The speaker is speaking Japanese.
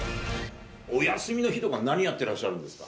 お休みの日とか何やってらっしゃるんですか？